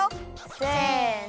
せの。